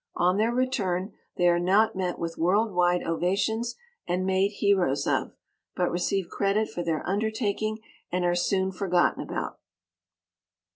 On their return, they are not met with world wide ovations and made heroes of, but receive credit for their undertaking and are soon forgotten about.